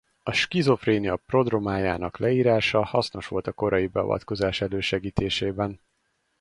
A skizofrénia prodrómájának leírása hasznos volt a korai beavatkozás elősegítésében.